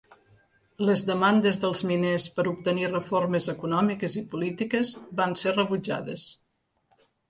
Les demandes dels miners per obtenir reformes econòmiques i polítiques van ser rebutjades.